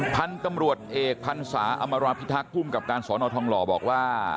พันธุ์กำรวจเอกพันธุ์สาอัมรพิธาคุมกับการสอนอทองหล่อบอกว่า